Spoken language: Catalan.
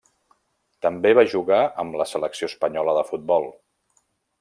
També va jugar amb la Selecció espanyola de futbol.